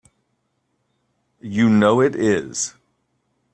You know it is!